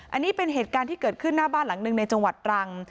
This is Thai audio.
อันนี้เป็นเหตุการณ์ที่เกิดขึ้นหน้าบ้านหลังหนึ่งในจังหวัดตรัง